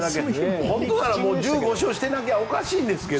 本当なら１５勝してないとおかしいですが。